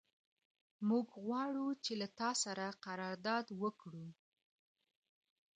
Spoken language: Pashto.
موږ غواړو چې له تا سره قرارداد وکړو.